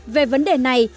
về vấn đề này